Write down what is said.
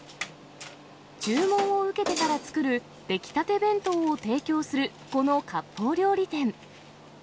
注文を受けてから作る、出来たて弁当を提供する、このかっぽう料理店。